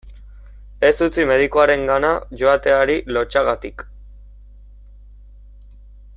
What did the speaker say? Ez utzi medikuarengana joateari lotsagatik.